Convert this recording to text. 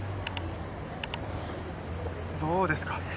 どうですかね？